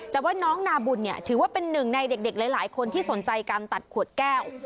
แต่ว่าน้องนาบุญเนี่ยถือว่าเป็นหนึ่งในเด็กหลายคนที่สนใจการตัดขวดแก้ว